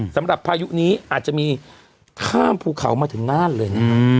สำหรับพายุนี้อาจจะมีข้ามภูเขามาถึงน่านเลย